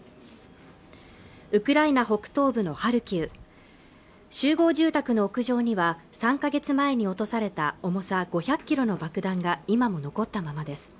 ウクライナ北東部のハルキウ集合住宅の屋上には３か月前に落とされた重さ５００キロの爆弾が今も残ったままです